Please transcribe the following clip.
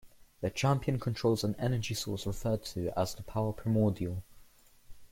The Champion controls an energy source referred to as the Power Primordial.